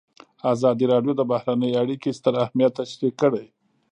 ازادي راډیو د بهرنۍ اړیکې ستر اهميت تشریح کړی.